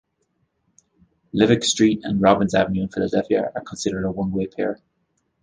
Levick Street and Robbins Avenue in Philadelphia are considered a one-way pair.